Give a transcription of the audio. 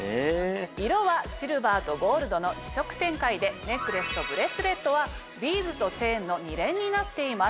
色はシルバーとゴールドの２色展開でネックレスとブレスレットはビーズとチェーンの２連になっています。